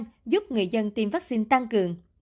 dài thời gian giúp người dân tiêm vaccine tăng cường